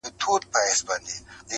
پښتانه چي له قلم سره اشنا کړو,